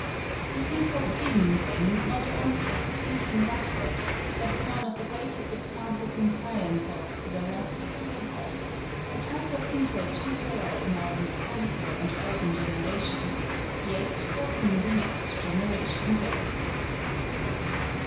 We think of him, then, not only as thinking rustic, but as one of the greatest examples in science of the Rustic Thinker a type of thinker too rare in our mechanical and urban generation, yet for whom the next generation waits.